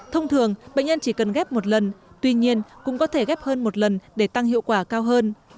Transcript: thông thường bệnh nhân chỉ cần ghép một lần tuy nhiên cũng có thể ghép hơn một lần để tăng hiệu quả cao hơn